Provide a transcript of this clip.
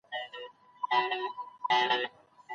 تر نفلو وروسته بايد د الله تعالی حمد وويل سي.